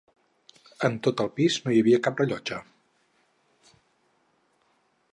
En tot el pis no hi havia cap rellotge.